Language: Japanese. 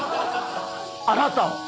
あなたを！